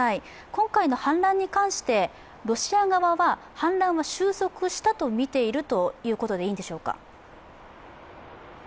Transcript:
今回の反乱に関して、ロシア側は反乱は収束したとみているということでいいんでしょうか。